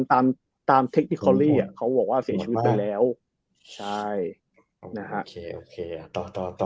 ใช่ตามตามเขาบอกว่าเสียชีวิตไปแล้วใช่โอเคโอเคอ่ะต่อต่อต่อ